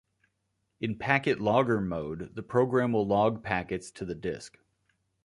In packet logger mode, the program will log packets to the disk.